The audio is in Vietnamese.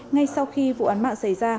ngay sau khi vụ án mạng xảy ra